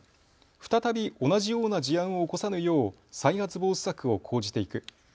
再び同じような事案を起こさぬよう再発防止策を講じていく。